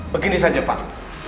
begini saja pak